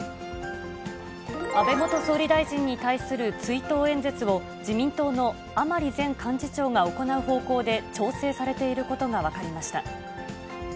安倍元総理大臣に対する追悼演説を、自民党の甘利前幹事長が行う方向で調整されていることが分かりました。